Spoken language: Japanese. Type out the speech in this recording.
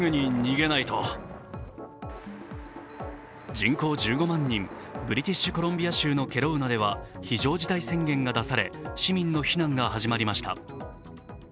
人口１５万人、ブリティッシュコロンビア州のケロウナでは非常事態宣言が出され、市民の避難が始まりました。